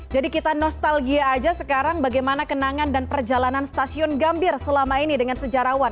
jadi kita nostalgia aja sekarang bagaimana kenangan dan perjalanan stasiun gambir selama ini dengan sejarawan